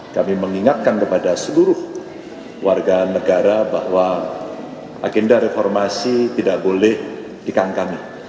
kami mengingatkan kepada seluruh warga negara bahwa agenda reformasi tidak boleh dikangkangi